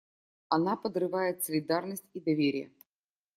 Она подрывает солидарность и доверие.